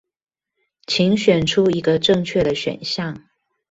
請選出一個正確的選項